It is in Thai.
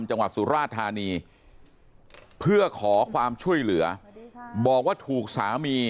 จังหวัดสุราธานีเพื่อขอความช่วยเหลือบอกว่าถูกสามี